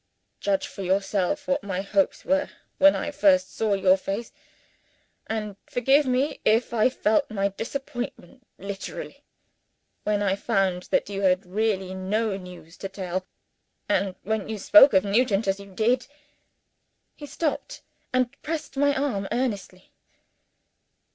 Judge for yourself what my hopes were when I first saw your face; and forgive me if I felt my disappointment bitterly, when I found that you had really no news to tell, and when you spoke of Nugent as you did." He stopped, and pressed my arm earnestly.